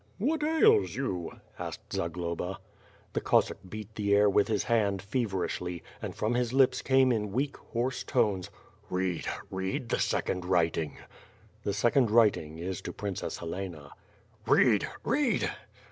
"What ails you?" asked Zagloba. The Cossack beat the air with his hand feverishly, and from his lips came in weak, hoarse tones: "Read, read the second writing." The second writing is to Princess Helena. "Read! Read!"